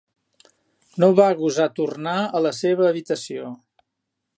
No va gosar tornar a la seva habitació.